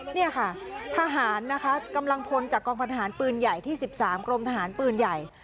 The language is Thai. นี่ค่ะทหารนะคะกำลังพลจากกองพันธหารปืนใหญ่ที่๑๓กรมทหารปืนใหญ่